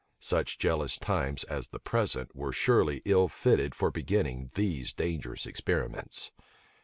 Such jealous times as the present were surely ill fitted for beginning these dangerous experiments.